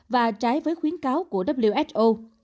và trái với khuyến cáo của who